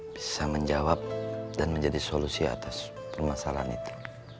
bisa menjawab dan menjadi solusi atas permasalahan itu